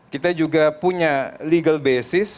kita juga punya legal basis